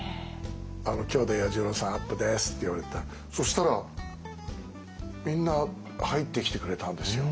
今日で彌十郎さんアップですって言われてそしたらみんな入ってきてくれたんですよ